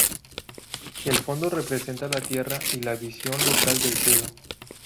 El fondo representa a la Tierra y la visión local del cielo.